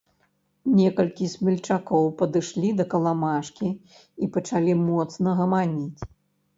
Некалькі смельчакоў падышлі да каламажкі і пачалі моцна гаманіць.